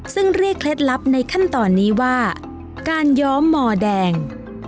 ซึ่งเรียกเคล็ดลับในขั้นตอนนี้ว่าการย้อมหมอแดง